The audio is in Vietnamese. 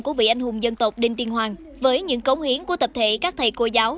của vị anh hùng dân tộc đinh tiên hoàng với những cống hiến của tập thể các thầy cô giáo